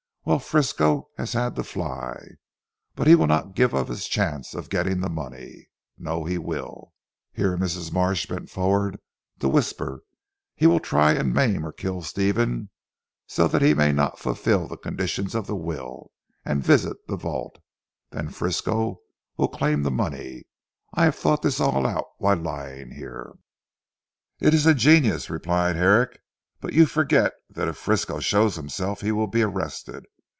Well, Frisco has had to fly; but he will not give up his chance of getting the money. No! He will," here Mrs. Marsh bent forward to whisper, "he will try and maim or kill Stephen so that he may not fulfil the conditions of the will and visit the vault. Then Frisco will claim the money. I have thought this all out while lying here." "It is ingenious," replied Herrick, "but you forget that if Frisco shows himself, he will be arrested.